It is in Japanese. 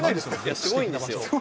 すごいんですよ。